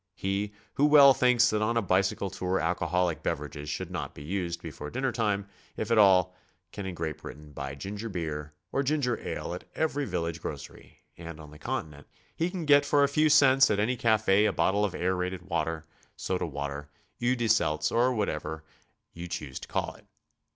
Pic who well thinks that on a bicycle tour alcoholic beverages should not be used before dinner time, if at all, can in Gr^at Britain buy ginger beer or ginger ale at every village grocery, and on the Continent he can get for a few cents at any cafe a bot tle of aerated water, soda water, eau de Seitz, or whatever you choose to call it.